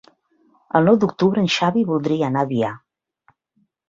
El nou d'octubre en Xavi voldria anar a Biar.